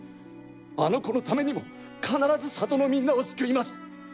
あの子のためにも必ず里のみんなを救います。